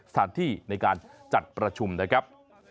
สถานที่ในการจัดประชุมนะครับ